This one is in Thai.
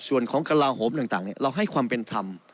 ส่วนของกระลาโหมต่างเราให้ความเป็นธรรม